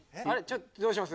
どうします？